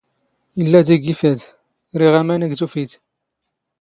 ⵉⵍⵍⴰ ⴷⵉⴳⵉ ⴼⴰⴷ, ⵔⵉⵖ ⴰⵎⴰⵏ ⵉⴳ ⵜⵓⴼⵉⴷ